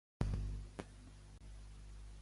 Li toca parlar després de Montoro i Rajoy?